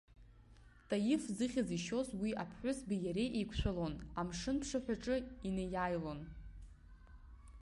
Таиф зыхьӡ ишьоз уи аԥҳәызбеи иареи еиқәшәалон, амшынԥшаҳәаҿы инеиааилон.